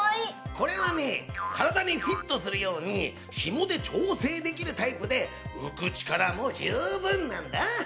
これはね体にフィットするようにひもで調整できるタイプで浮く力も十分なんだ！